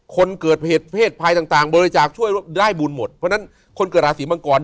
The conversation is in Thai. คนเกิดเหตุเพศภัยต่างบริจาคช่วยได้บุญหมดเพราะฉะนั้นคนเกิดราศีมังกร